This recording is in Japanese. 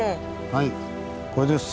はいこれです。